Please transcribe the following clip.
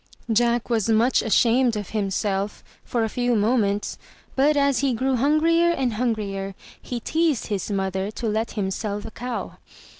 '* Jack was much ashamed of himself for a few moments, but, as he grew hungrier and hungrier, he teased his mother to let him sell the cow.